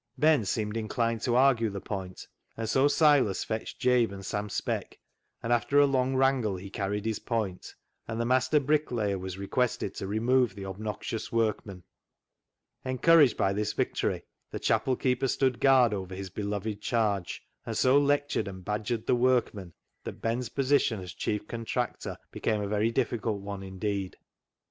Ben seemed inclined to argue the point, and so Silas fetched Jabe and Sam Speck, and, after a long wrangle, he carried his point, and the master bricklayer was requested to remove the obnoxious work man. Encouraged by this victory, the chapel keeper stood guard over his beloved charge, and so lectured and badgered the workmen that Ben's position as chief contractor became a very difficult one indeed.